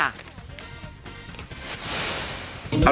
เอาเลข๒ตัวนะ